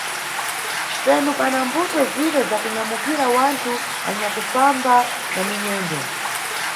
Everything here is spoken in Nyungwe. Penu pana mbuto zire za kuyambukira wanthu anyakufamba na minyendo.